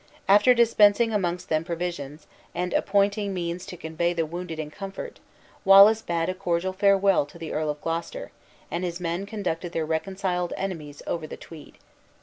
After dispensing amongst them provisions, and appointing means to convey the wounded in comfort, Wallace bade a cordial farewell to the Earl of Gloucester, and his men conducted their reconciled enemies over the Tweed.